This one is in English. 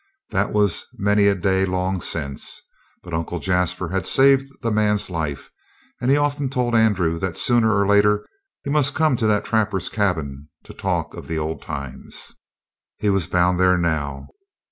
That was many a day long since, but Uncle Jasper had saved the man's life, and he had often told Andrew that, sooner or later, he must come to that trapper's cabin to talk of the old times. He was bound there now.